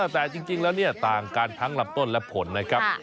แต่จริงแล้วเนี่ยต่างกันทั้งลำต้นและผลนะครับ